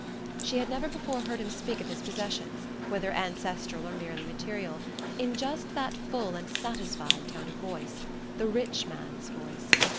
She had never before heard him speak of his possessions, whether ancestral or merely material, in just that full and satisfied tone of voice: the rich man's voice.